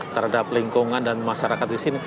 terhadap lingkungan dan masyarakat disini